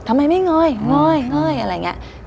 ทำไมไม่เงยเงยเงยอะไรอย่างนี้